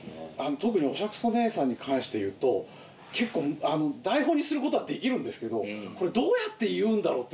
特におしゃクソ姉さんに関して言うと結構台本にすることはできるんですけどこれどうやって言うんだろう？って